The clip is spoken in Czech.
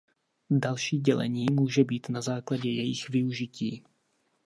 Další dělení může být na základě jejich využití.